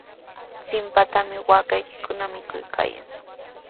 Chimpatrawmi waakaykikuna mikuykaayan.